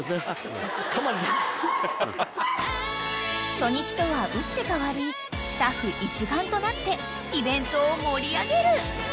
［初日とは打って変わりスタッフ一丸となってイベントを盛り上げる］